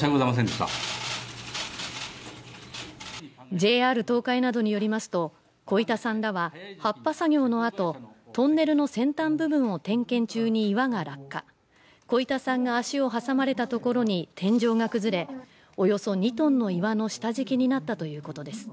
ＪＲ東海などによりますと小板さんらは発破作業のあとトンネルの先端部分を点検中に岩が落下、小板さんが足を挟まれたところに天井が崩れおよそ２ｔの岩の下敷きになったということです。